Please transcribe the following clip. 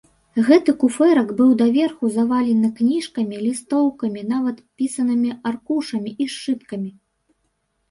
Гэты куфэрак быў даверху завалены кніжкамі, лістоўкамі, нават пісанымі аркушамі і сшыткамі.